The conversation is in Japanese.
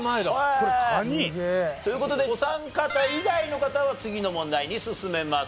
これカニ？という事でお三方以外の方は次の問題に進めます。